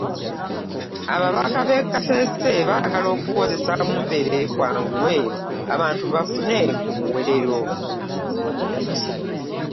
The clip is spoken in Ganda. Ababaka b'e Kasese baagala okuwozesa Mumbere kwanguwe abantu bafune ku buweerero.